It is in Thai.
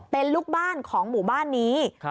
เป็นลูกบ้านของหมู่บ้านนี้